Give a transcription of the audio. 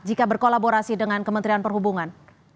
jika berkolaborasi dengan kementerian perhubungan